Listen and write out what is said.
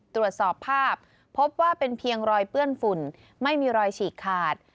ตรวจสอบภาพพบว่าเป็นเพียงรอยเปื้อนฝุ่นไม่มีรอยฉีกขาด